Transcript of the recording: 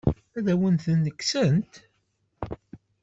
Ad awen-ten-kksent?